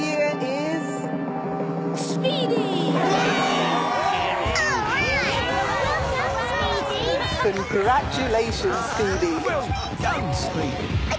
すすごい！